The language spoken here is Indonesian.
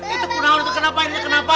itu kunahun kenapa ini kenapa